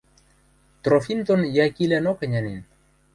Трофим дон Якилӓнок ӹнянен.